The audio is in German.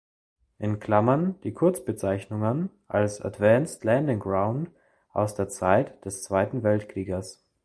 In Klammern die Kurzbezeichnungen als Advanced Landing Ground aus der Zeit des Zweiten Weltkrieges.